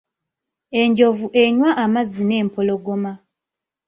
Enjovu enywa amazzi n'empologoma.